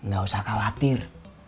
gak usah khawatir